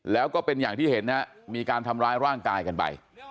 แล้วก็เป็นอย่างที่เห็นนะฮะมีการทำร้ายร่างกายกันไป